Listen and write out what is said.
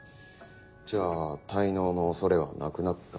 じゃあ滞納の恐れはなくなったのか。